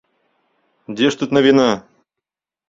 Дзе ж тут навіна?